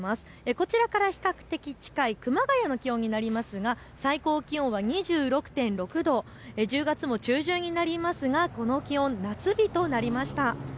こちらから比較的近い熊谷の気温になりますが、最高気温は２６．６度、１０月も中旬になりますがこの気温、夏日となります。